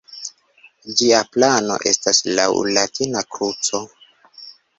Ĝia plano estas laŭ latina kruco.